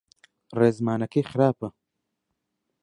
ڕێزمانەکەی خراپە.